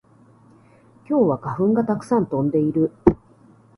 今日は花粉がたくさん飛んでいる